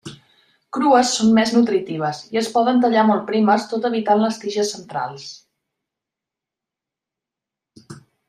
Crues són més nutritives i es poden tallar molt primes tot evitant les tiges centrals.